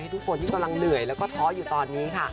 ทุกคนที่กำลังเหนื่อยแล้วก็ท้ออยู่ตอนนี้ค่ะ